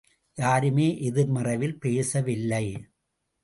யாருமே எதிர்மறைவில் பேசவில்லை.